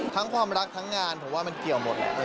ความรักทั้งงานผมว่ามันเกี่ยวหมด